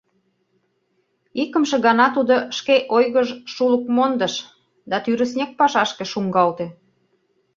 Икымше гана тудо шке ойгыж шулык мондыш да тӱрыснек пашашке шуҥгалте.